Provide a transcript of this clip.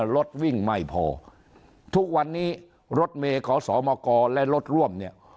รถวิ่งไม่พอทุกวันนี้รถเมย์ขอสมกและรถร่วมเนี่ย